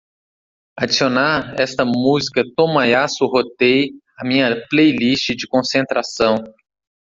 Adicionar esta música tomoyasu hotei à minha playlist de concentração